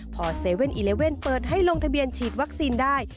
พอ๗๑๑เปิดให้ลงทะเบียนฉีดวัคซีนได้